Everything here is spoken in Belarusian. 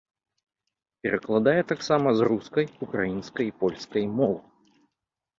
Перакладае таксама з рускай, украінскай і польскай моў.